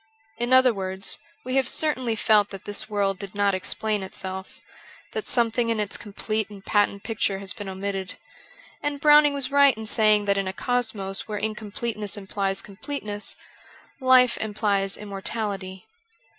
In other words, we have certainly felt that this world did not explain itself, that some thing in its complete and patent picture has been omitted. And Browning was right in saying that in a cosmos where incompleteness implies com pleteness, life implies immortality.